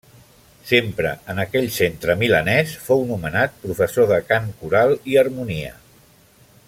Sempre en aquell centre milanès fou nomenat professor de cant coral i harmonia.